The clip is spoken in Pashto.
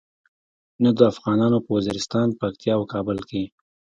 نه د افغانانو په وزیرستان، پکتیا او کابل کې.